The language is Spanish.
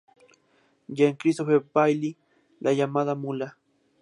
Jean-Christophe Bailly: "La llamada Muda".